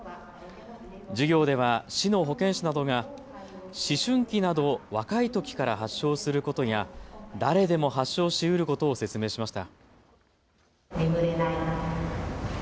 授業では市の保健師などが思春期など若いときから発症することや誰でも発症しうることを説明しました。